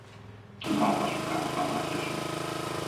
Κιμά θα σου κάνω τα μάτια σου!